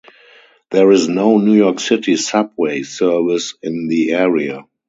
There is no New York City Subway service in the area.